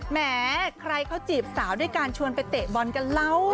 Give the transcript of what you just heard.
แม้ใครเขาจีบสาวด้วยการชวนไปเตะบอลกันแล้ว